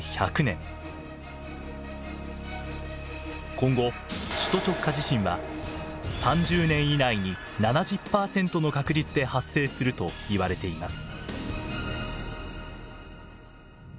今後首都直下地震は３０年以内に７０％の確率で発生するといわれています。